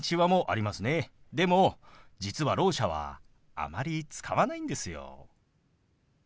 でも実はろう者はあまり使わないんですよ。